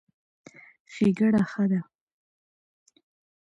ښېګړه ښه ده.